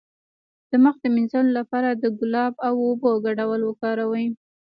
د مخ د مینځلو لپاره د ګلاب او اوبو ګډول وکاروئ